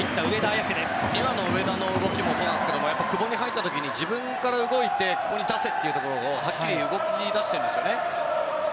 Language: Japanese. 今の上田の動きもそうですが久保に入った時に自分から動いてここに出せ！ってはっきり動き出してるんですよね。